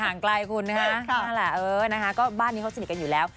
หางไกลคุณนะฮะบ้านนี้เขาสนิทกันอยู่แล้ว